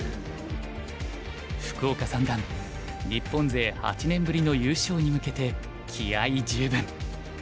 福岡三段日本勢８年ぶりの優勝に向けて気合い十分。